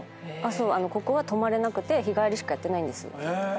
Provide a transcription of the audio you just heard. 「ここは泊まれなくて日帰りしかやってないんです」